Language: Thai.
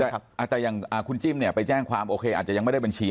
แต่อย่างคุณจิ้มเนี่ยไปแจ้งความโอเคอาจจะยังไม่ได้บัญชี